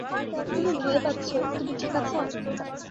তুমি ভয় পাচ্ছ তুমি ঠিক আছো?